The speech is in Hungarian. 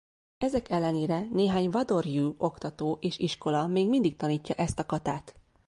Ezek ellenére néhány vado-rjú oktató és iskola még mindig tanítja ezt a katát.